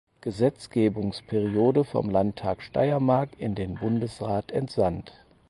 Gesetzgebungsperiode vom Landtag Steiermark in den Bundesrat entsandt.